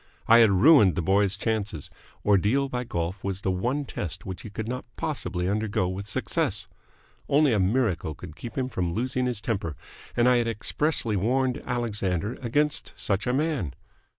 I had ruined the boy's chances. Ordeal by golf was the one test which he could not possibly undergo with success. Only a miracle could keep him from losing his temper, and I had expressly warned Alexander against such a man.